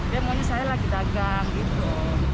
dia mau misalnya lagi dagang gitu